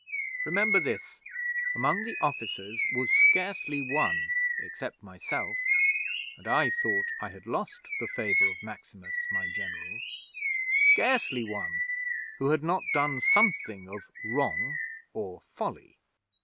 Remember this: among the officers was scarcely one, except myself (and I thought I had lost the favour of Maximus, my General), scarcely one who had not done something of wrong or folly.